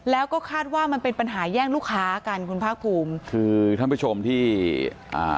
แล้วก็คาดว่ามันเป็นปัญหาแย่งลูกค้ากันคุณภาคภูมิคือท่านผู้ชมที่อ่า